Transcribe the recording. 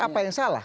apa yang salah